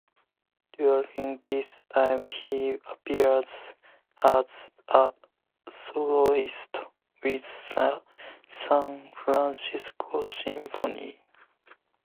During this time he appeared as a soloist with the San Francisco Symphony.